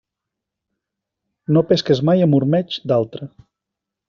No pesques mai amb ormeig d'altre.